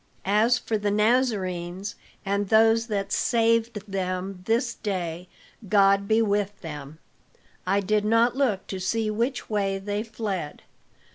As for the Nazarenes and those that saved them this day, God be with them, I did not look to see which way they fled.